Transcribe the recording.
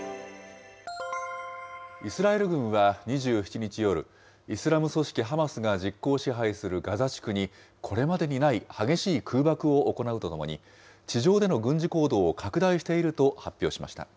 イスラエル軍は２７日夜、イスラム組織ハマスが実効支配するガザ地区に、これまでにない激しい空爆を行うとともに、地上での軍事行動を拡大していると発表しました。